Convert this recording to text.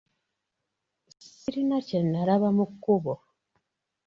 Sirina kye nalaba mu kkubo.